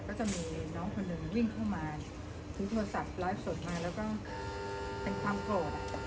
ก็จะมีน้องคนหนึ่งวิ่งเข้ามาถือโทรศัพท์ไลฟ์สดมาแล้วก็เป็นความโกรธ